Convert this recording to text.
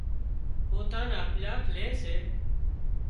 پوتان نا پلاٽ لي سي